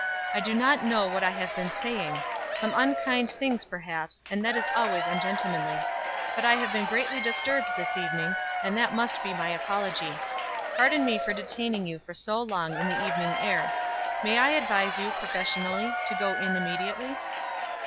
I do not know what I have been saying some unkind things perhaps, and that is always ungentlemanly; but I have been greatly disturbed this evening, and that must be my apology. Pardon me for detaining you so long in the evening air. May I advise you, professionally, to go in immediately?"